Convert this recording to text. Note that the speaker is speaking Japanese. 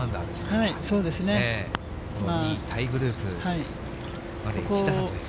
ともにタイグループまで１打差という。